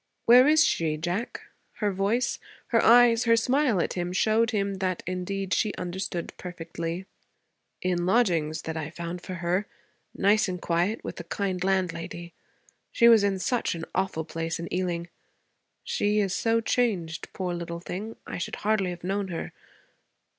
'Where is she, Jack?' Her voice, her eyes, her smile at him, showed him that, indeed, she understood perfectly. 'In lodgings that I found for her; nice and quiet, with a kind landlady. She was in such an awful place in Ealing. She is so changed, poor little thing. I should hardly have known her.